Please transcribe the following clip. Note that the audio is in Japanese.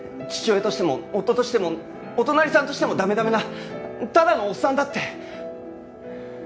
父親としても夫としてもお隣さんとしても駄目駄目なただのおっさんだって。